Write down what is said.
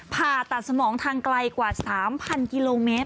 ผ่าตัดสมองทางไกลกว่า๓๐๐กิโลเมตร